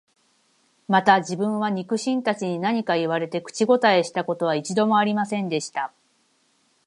また自分は、肉親たちに何か言われて、口応えした事は一度も有りませんでした